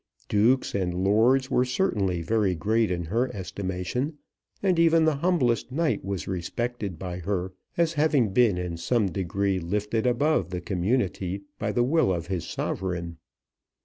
Dukes and lords were certainly very great in her estimation, and even the humblest knight was respected by her, as having been in some degree lifted above the community by the will of his Sovereign.